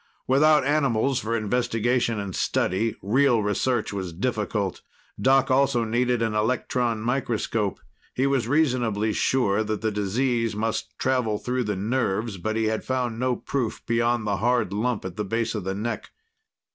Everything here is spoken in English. Without animals for investigation and study, real research was difficult. Doc also needed an electron microscope. He was reasonably sure that the disease must travel through the nerves, but he had found no proof beyond the hard lump at the base of the neck.